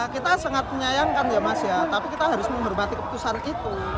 kita sangat menyayangkan ya mas ya tapi kita harus menghormati keputusan itu